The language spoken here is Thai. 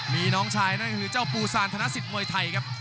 มีน้องชายนั่นก็คือเจ้าปูซานธนสิทธิมวยไทยครับ